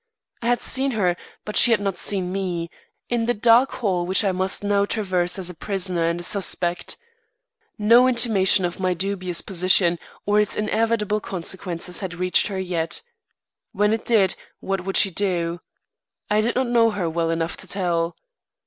I had seen her, but she had not seen me, in the dark hall which I must now traverse as a prisoner and a suspect. No intimation of my dubious position or its inevitable consequences had reached her yet. When it did, what would she do? I did not know her well enough to tell.